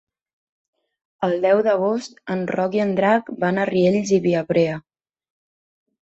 El deu d'agost en Roc i en Drac van a Riells i Viabrea.